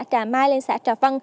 từ xã trà mai lên xã trà vân